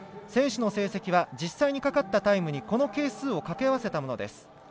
選手の成績は実際にかかったタイムにこの係数をかけ合わせたものです。